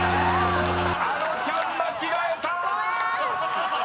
［あのちゃん間違えた！］ごめん！